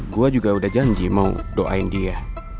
gue juga udah janji mau doain dia